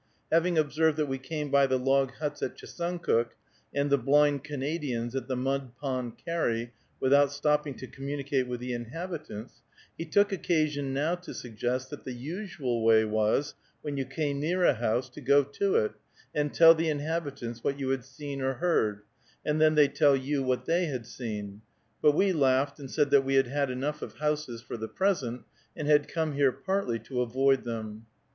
Having observed that we came by the log huts at Chesuncook, and the blind Canadian's at the Mud Pond carry, without stopping to communicate with the inhabitants, he took occasion now to suggest that the usual way was, when you came near a house, to go to it, and tell the inhabitants what you had seen or heard, and then they tell you what they had seen; but we laughed, and said that we had had enough of houses for the present, and had come here partly to avoid them.